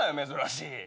珍しい。